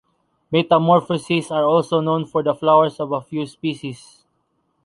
Metamorphoses are also known for the flowers of a few species.